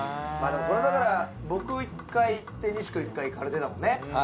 これだから僕１回いって西君１回出たもんね